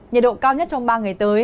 nhật độ cao nhất trong ba ngày tới